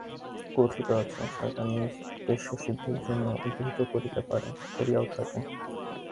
কথিত আছে, শয়তান নিজ উদ্দেশ্যসিদ্ধির জন্য উদ্ধৃত করিতে পারে, করিয়াও থাকে।